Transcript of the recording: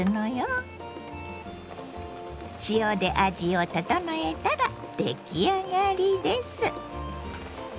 塩で味を調えたら出来上がりです。